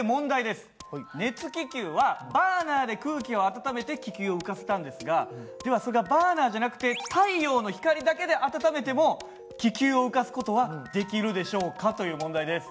熱気球はバーナーで空気を温めて気球を浮かせたんですがではそれがバーナーじゃなくて太陽の光だけで温めても気球を浮かす事はできるでしょうかという問題です。